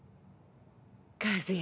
和也